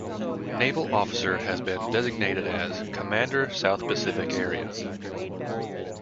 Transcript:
Naval officer has been designated as "Commander, South Pacific Area".